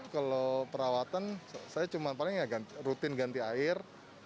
kalau perawatan saya cuma rutin ganti air